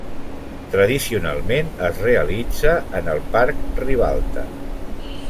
Tradicionalment es realitza en el Parc Ribalta.